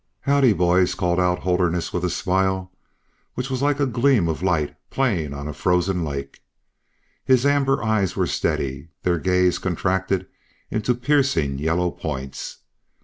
"Howdy, boys?" called out Holderness, with a smile, which was like a gleam of light playing on a frozen lake. His amber eyes were steady, their gaze contracted into piercing yellow points.